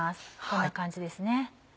こんな感じですね。